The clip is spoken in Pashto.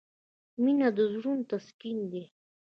• مینه د زړونو تسکین دی.